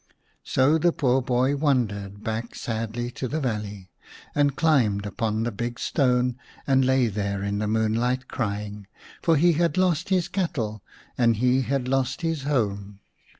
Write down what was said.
So the poor boy wandered back sadly to the valley, and climbed upon the big stone and lay there in the moonlight crying, for he had lost his cattle and he had lost his home.